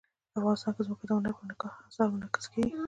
افغانستان کې ځمکه د هنر په اثار کې منعکس کېږي.